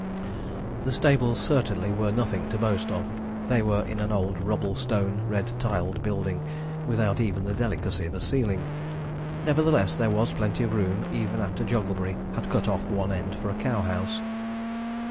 The stables certainly were nothing to boast of. They were in an old rubble stone, red tiled building, without even the delicacy of a ceiling. Nevertheless, there was plenty of room even after Jogglebury had cut off one end for a cow house.